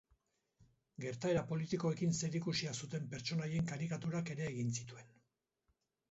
Gertaera politikoekin zerikusia zuten pertsonaien karikaturak ere egin zituen.